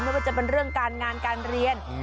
ไม่ว่าจะเป็นเรื่องการงานการเรียน